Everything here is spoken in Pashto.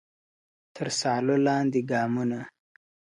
تر سالو لاندي ګامونه ,